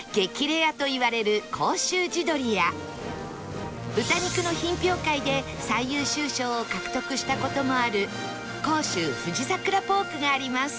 レアといわれる甲州地どりや豚肉の品評会で最優秀賞を獲得した事もある甲州富士桜ポークがあります